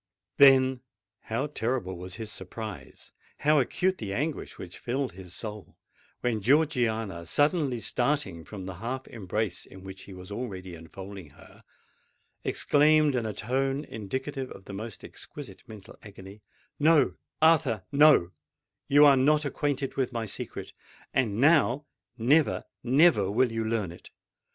Then, how terrible was his surprise—how acute the anguish which filled his soul, when Georgiana, suddenly starting from the half embrace in which he was already enfolding her, exclaimed in a tone indicative of the most exquisite mental agony, "No—Arthur—no: you are not acquainted with my secret—and now, never, never will you learn it!